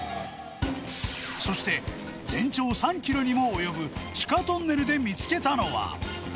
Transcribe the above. そして、全長３キロにも及ぶ地下トンネルで見つけたのは。